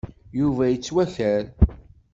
Yuba yettwaker.